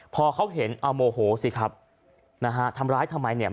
พอเขาเห็นเอาโมโหสิครับนะฮะทำร้ายทำไมเนี่ย